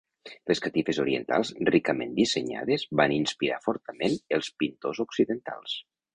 Les catifes orientals ricament dissenyades van inspirar fortament els pintors occidentals.